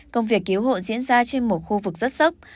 công việc cứu hộ diễn ra trên một khu vực rất sốc